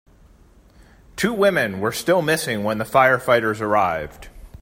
Two women were still missing when the firefighters arrived.